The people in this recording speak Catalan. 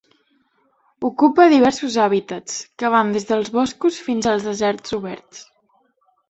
Ocupa diversos hàbitats que van des dels boscos fins als deserts oberts.